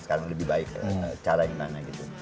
sekarang lebih baik cara gimana gitu